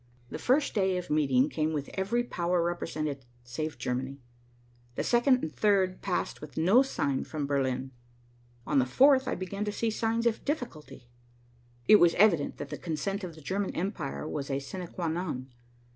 The first day of meeting came with every power represented save Germany. The second and third passed with no sign from Berlin. On the fourth, I began to see signs of difficulty. It was evident that the consent of the German empire was a sine qua non.